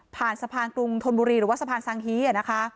ผ่านสภางตรุงทนบุรีหรือว่าสภางสังฮีอะนะคะ